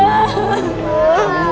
masa itu aku tinggal